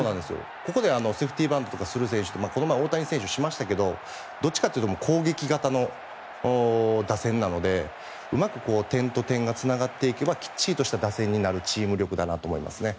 ここでセーフティーバントとかする選手ってこの前、大谷選手はしましたけどどっちかというと攻撃型の打線なのでうまく点と点がつながっていけばきっちりとした打線になるチーム力だなと思いますね。